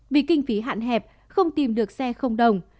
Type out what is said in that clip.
vì kinh phí hạn hẹp không tìm được xe không đồng